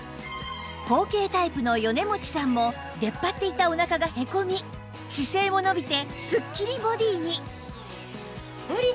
後傾タイプの米持さんも出っ張っていたお腹がへこみ姿勢も伸びてすっきりボディーに！